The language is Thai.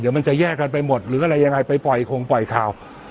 เดี๋ยวมันจะแยกกันไปหมดหรืออะไรยังไงไปปล่อยคงปล่อยข่าว